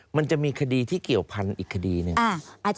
มันจะมีคดีที่เกี่ยวพันธุ์อีกคดีหนึ่ง